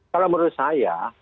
kalau menurut saya